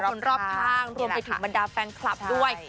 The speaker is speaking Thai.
มารถถึงแบนดำแฟนคลับด้วย